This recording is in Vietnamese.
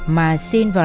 mà xin vào